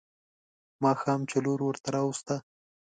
ماښام چې لور ورته راوسته.